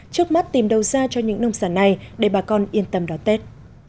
trước mắt tìm đâu ra cho những nông sản này để bà con yên tâm đón tết